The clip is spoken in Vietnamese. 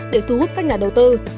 để thu hút các nhà đầu tư